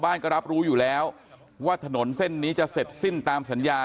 ก็รับรู้อยู่แล้วว่าถนนเส้นนี้จะเสร็จสิ้นตามสัญญา